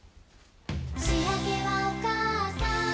「しあげはおかあさん」